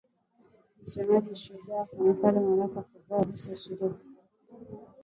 Msemaji Shujaa Kanali Mak Hazukay aliliambia shirika